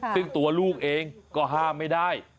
ซึ่งตัวลูกเองก็ห้ามไม่ได้